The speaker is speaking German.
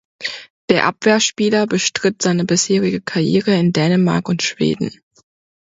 Der Abwehrspieler bestritt seine bisherige Karriere in Dänemark und Schweden.